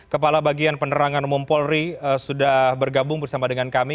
kepala bagian penerangan umum polri sudah bergabung bersama dengan kami